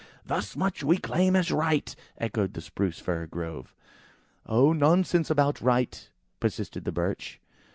"Thus much we claim as a right! "echoed the Spruce fir grove. "Oh, nonsense about a right," persisted the Birch.